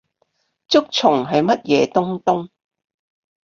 竹蟲係乜嘢東東？